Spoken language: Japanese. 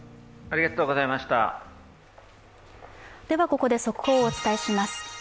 ここで速報をお伝えします。